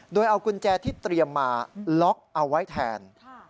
โดยเอากุญแจที่เตรียมมาล็อกเอาไว้แทน